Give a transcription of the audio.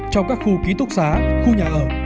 trong các khu ký túc xá khu nhà ở